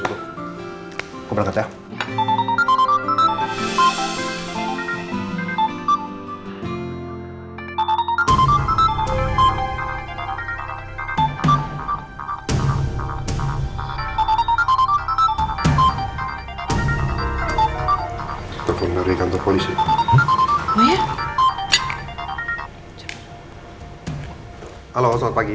aku berangkat ya